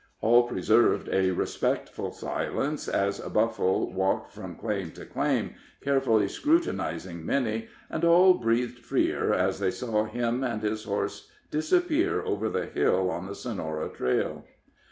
All preserved a respectful silence as Buffle walked from claim to claim, carefully scrutinizing many, and all breathed freer as they saw him and his horse disappear over the hill on the Sonora trail.